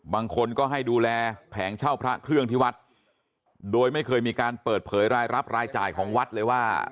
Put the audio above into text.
บางคนก็ให้ดูแลแผงเช่าพระเครื่องที่วัดโดยไม่เคยมีการเปิดเผยรายรับรายจ่ายของวัดเลยว่า